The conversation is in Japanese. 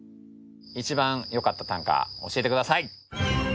一番よかった短歌教えて下さい。